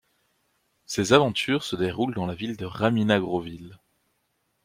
Ses aventures se déroulent dans la ville de Raminagroville.